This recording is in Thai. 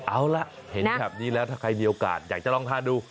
เอาล่ะเห็นแบบนี้แล้วถ้าใครมีโอกาสอยากจะลองทานดู